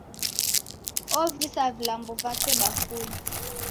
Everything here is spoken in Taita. Ovisa vilambo vape bafunyi.